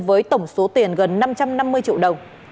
với tổng số tiền gần năm trăm năm mươi triệu đồng